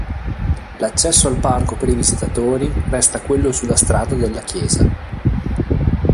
L'accesso al parco per i visitatori resta quello sulla strada della chiesa.